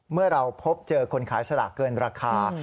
เมื่อเราพบเจอคนขายสลากเกินราคา